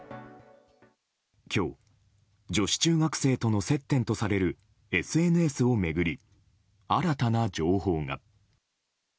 今日、女子中学生との接点とされるＳＮＳを巡り、新たな情報が。